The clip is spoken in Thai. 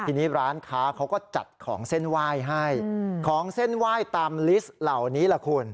ทีนี้ร้านค้าเขาก็จัดของเส้นไหว้ให้ของเส้นไหว้ตามลิสต์เหล่านี้ล่ะคุณ